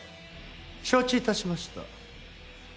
承知致しました。